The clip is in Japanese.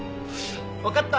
わかった。